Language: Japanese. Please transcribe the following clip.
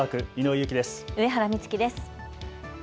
上原光紀です。